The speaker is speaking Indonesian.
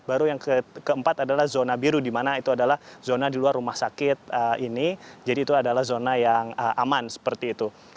baru yang keempat adalah zona biru di mana itu adalah zona di luar rumah sakit ini jadi itu adalah zona yang aman seperti itu